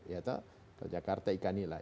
yaitu jakarta ikan nila